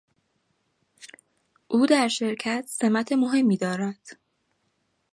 او در شرکت سمت مهمی دارد.